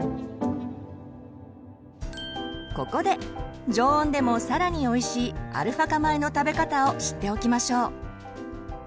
ここで常温でも更においしいアルファ化米の食べ方を知っておきましょう。